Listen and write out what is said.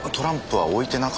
はい。